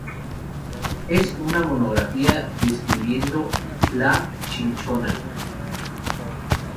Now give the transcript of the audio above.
Es una monografía describiendo la Cinchona.